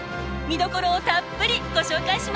見どころをたっぷりご紹介します！